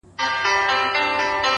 اول بخښنه درڅه غواړمه زه’